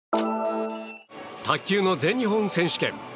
卓球の全日本選手権。